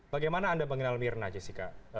bagaimana anda mengenal mirna jessica